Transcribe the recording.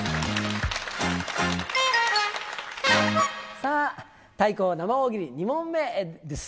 さあ、対抗生大喜利、２問目です。